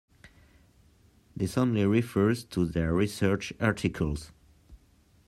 This only refers to their research articles.